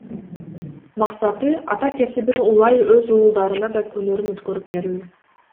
Максаты — ата кесибин улай өз уулдарына да өнөрүн өткөрүп берүү.